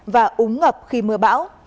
và úng ngập khi mưa bão